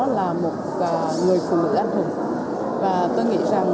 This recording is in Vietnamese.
là một người phụ nữ ác hùng